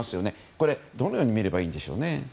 これ、どのように見ればいいんでしょうね？